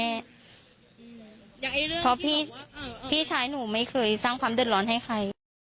เพราะพี่ชายหนูไม่เคยสร้างความเดือดร้อนให้ใคร